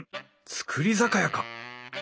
造り酒屋か！